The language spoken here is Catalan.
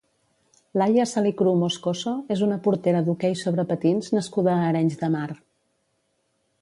Laia Salicrú Moscoso és una portera d'hoquei sobre patins nascuda a Arenys de Mar.